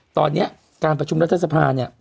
ตอนนี้การประชุมรัฐสภาเนี่ย